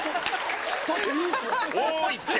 多いって！